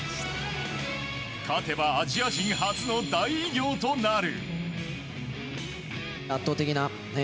勝てばアジア人初の大偉業となる。